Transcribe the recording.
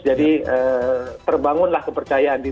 jadi terbangunlah kepercayaan